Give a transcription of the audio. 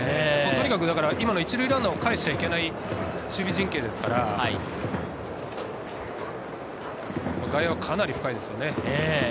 とにかく今の１塁ランナーをかえしちゃいけないという守備陣形ですから、外野はかなり深いですね。